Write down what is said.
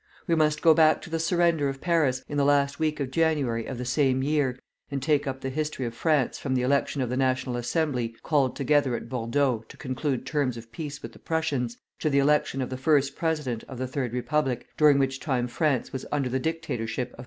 We must go back to the surrender of Paris, in the last week of January of the same year, and take up the history of France from the election of the National Assembly called together at Bordeaux to conclude terms of peace with the Prussians, to the election of the first president of the Third Republic, during which time France was under the dictatorship of M.